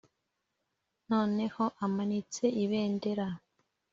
noneho amanitse ibendera